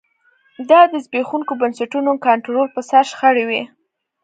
دا د زبېښونکو بنسټونو کنټرول پر سر شخړې وې